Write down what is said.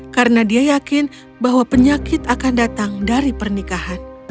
karena dia yakin bahwa penyakit akan datang dari pernikahan